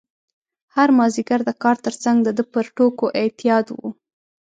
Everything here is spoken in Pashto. هره مازدیګر د کار ترڅنګ د ده پر ټوکو اعتیاد و.